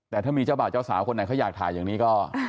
แต่ถ้ามีเจ้าบ่าวเจ้าสาวคนไหนเขาอยากถ่ายอย่างนี้ก็